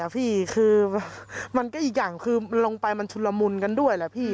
พี่คือมันก็อีกอย่างคือลงไปมันชุนละมุนกันด้วยแหละพี่